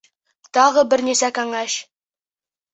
Тағы бер нисә кәңәш.